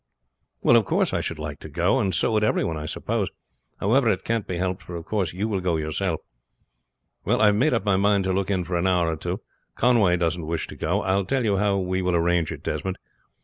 "Well, of course I should like to go, and so would everyone I suppose, however, it can't be helped; for of course you will go yourself." "Well, I have made up my mind to look in for an hour or two. Conway doesn't wish to go. I'll tell you how we will arrange, Desmond.